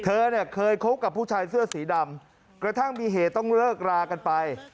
เธอเนี่ยเคยคบกับผู้ชายเสื้อสีดำกระทั่งมีเหตุต้องเลิกรากันไป